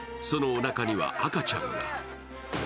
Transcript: そのおなかには赤ちゃんが。